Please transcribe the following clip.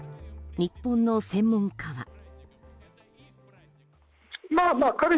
日本の専門家は。